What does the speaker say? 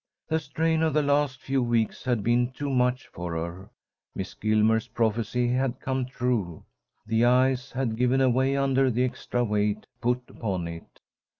The strain of the last few weeks had been too much for her. Miss Gilmer's prophecy had come true. The ice had given away under the extra weight put upon it.